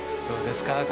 どうですか？